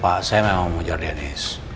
pak saya memang mau ngajar dennis